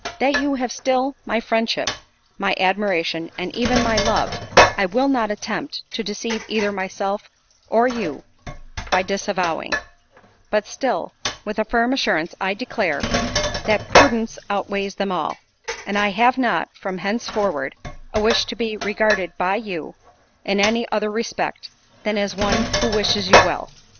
"That you have still my friendship, my admiration, and even my love, I will not attempt to deceive either myself or you by disavowing; but still, with a firm assurance, I declare, that prudence outweighs them all; and I have not, from henceforward, a wish to be regarded by you, in any other respect than as one 'who wishes you well.